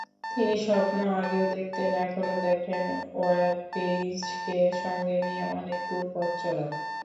তিনি স্বপ্ন আগেও দেখতেন, এখনো দেখেন ওয়ারফেইজকে সঙ্গে নিয়ে অনেক দূর পথচলার।